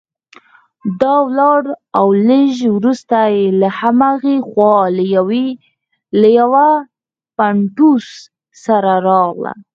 دا ولاړه او لږ وروسته له هماغې خوا له یوه پتنوس سره راغله.